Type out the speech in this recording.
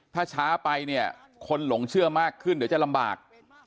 ถ้าช้าไปเนี่ยคนหลงเชื่อมากขึ้นเดี๋ยวจะลำบาก